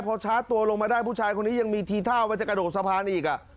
พอชาร์จตัวลงมาได้ผู้ชายคนนี้ยังมีทีท่าว่าจะกระโดดสะพานอีก